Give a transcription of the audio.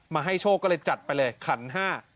ให้โชคก็เลยจัดไปเลยขันห้า